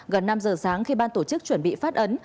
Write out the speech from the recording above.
gần năm giờ sáng khi ban tổ chức chuẩn bị phát ấn